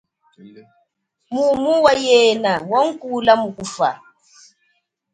Mumu wa yena wangukula mu kufa.